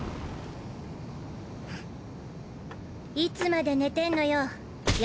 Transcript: いつまで寝てんのよ葉。